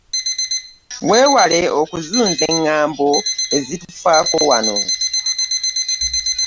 Mwewale okuzunza eŋŋambo ezitufaako wano.